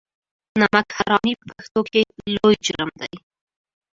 نمک حرامي په پښتنو کې لوی جرم دی.